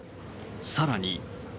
さらに。